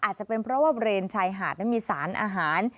อาจจะเป็นเพราะว่าบริเวณชายหาดนั้นมีสารอาหาร